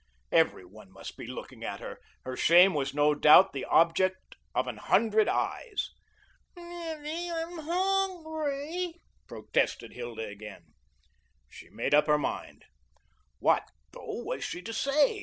Every one must be looking at her. Her shame was no doubt the object of an hundred eyes. "Mammy, I'm hungry," protested Hilda again. She made up her mind. What, though, was she to say?